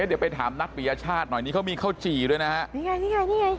เอ๊ะเดี๋ยวไปถามนัดปีชาติหน่อยนี้เขามีข้าวจี่ด้วยนะฮะนี่ไง